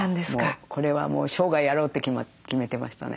これはもう生涯やろうって決めてましたね。